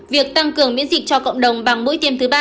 việc tăng cường miễn dịch cho cộng đồng bằng mũi tiêm thứ ba